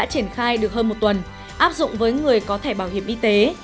triển khai được hơn một tuần áp dụng với người có thẻ bảo hiểm y tế